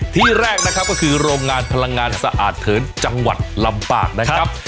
ที่แรกนะครับก็คือโรงงานพลังงานสะอาดเถินจังหวัดลำปางนะครับ